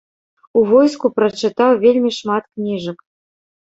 У войску прачытаў вельмі шмат кніжак.